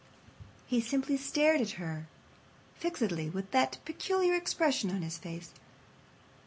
He simply stared at her fixedly with that peculiar expression on his face.